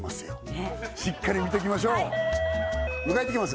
ねっしっかり見てきましょう迎えいってきます